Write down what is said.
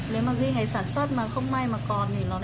nếu mà ghi ngày sản xuất mà không may mà còn thì nó lại khó bán